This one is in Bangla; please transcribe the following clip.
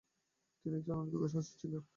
তিনি একজন অনভিজ্ঞ শাসক ছিলেন।